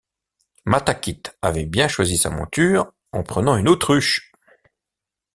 Matakit avait bien choisi sa monture, en prenant une autruche!